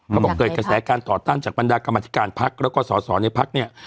บอกเกิดกระแสการต่อต้านจากบรรดากรรมธิการพักแล้วก็สอสอในพักเนี่ย